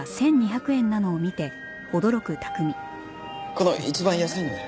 この一番安いので。